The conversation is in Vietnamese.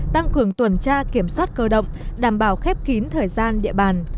tăng cường tuần tra kiểm soát cơ động đảm bảo khép kín thời gian địa bàn